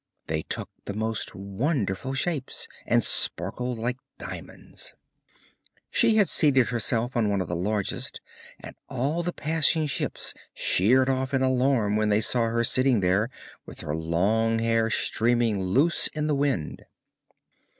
They took the most wonderful shapes, and sparkled like diamonds. She had seated herself on one of the largest, and all the passing ships sheered off in alarm when they saw her sitting there with her long hair streaming loose in the wind.